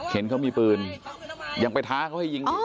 เห็นเขามีปืนยังไปท้าเขาให้ยิง